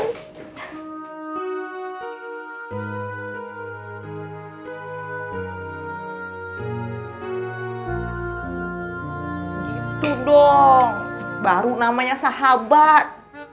gitu dong baru namanya sahabat